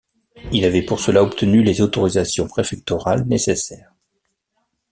Il avait pour cela obtenu les autorisations préfectorales nécessaires.